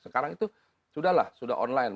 sekarang itu sudah lah sudah online